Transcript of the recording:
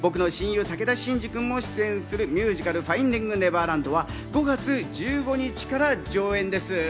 僕の親友・武田真治君も出演するミュージカル『ファインディング・ネバーランド』は５月１５日から上演です。